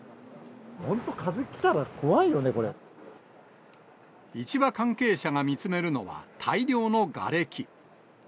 本当、市場関係者が見つめるのは、大量のがれき。